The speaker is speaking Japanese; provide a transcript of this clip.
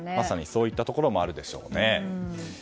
そういったところもあるでしょうね。